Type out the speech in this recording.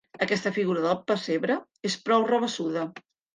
Aquesta figura del pessebre és prou rabassuda.